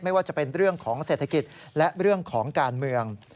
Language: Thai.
ไม่ว่าจะเป็นเรื่องของเศรษฐกิจและเรื่องของการเมือง